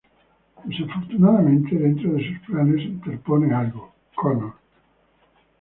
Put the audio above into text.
Desafortunadamente dentro de sus planes se interpone algo: Connor.